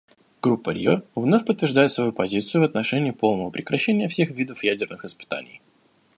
Группа Рио вновь подтверждает свою позицию в отношении полного прекращения всех видов ядерных испытаний.